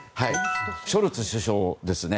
ショルツ首相ですね。